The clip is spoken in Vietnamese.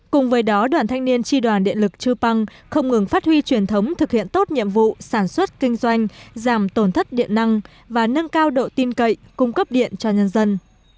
cùng với đó đoàn thanh niên tri đoàn điện lực chư păng không ngừng phát huy truyền thống thực hiện tốt nhiệm vụ sản xuất kinh doanh giảm tổn thất điện năng và nâng cao độ tin cậy cung cấp điện cho nhân dân